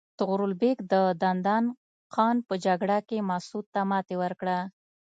طغرل بیګ د دندان قان په جګړه کې مسعود ته ماتې ورکړه.